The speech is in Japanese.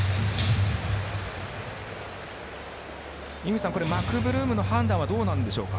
井口さん、マクブルームの判断はどうなんでしょうか？